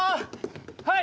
はい！